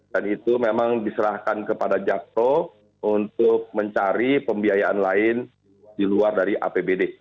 dan itu memang diserahkan kepada jakpro untuk mencari pembiayaan lain di luar dari apbd